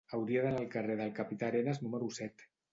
Hauria d'anar al carrer del Capità Arenas número set.